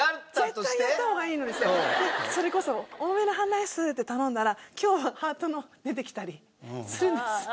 それこそ「多めの半ライス」って頼んだら今日はハートの出てきたりするんです。